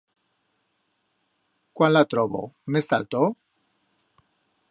Cuán la trobo, mes ta alto?